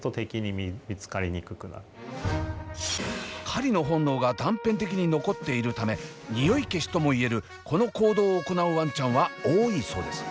狩りの本能が断片的に残っているためニオイ消しとも言えるこの行動を行うワンちゃんは多いそうです。